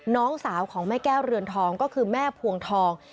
น้องสาวของแม่แก้วเรือนทองก็คือแม่พวงทอง